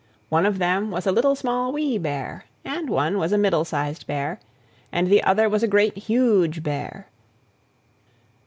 One of them was a Little, Small, Wee Bear; and one was a Middle sized Bear, and the other was a Great, Huge Bear.